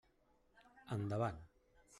Endavant.